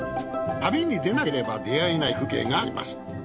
旅に出なければ出会えない風景があります。